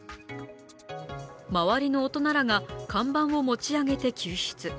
周りの大人らが看板を持ち上げて救出。